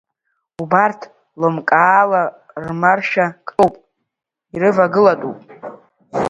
Убарҭ лымкаала рмаршәа ктәуп, ирывагылатәуп.